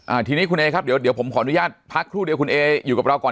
อ่าทีนี้คุณเอครับเดี๋ยวเดี๋ยวผมขออนุญาตพักครู่เดียวคุณเออยู่กับเราก่อน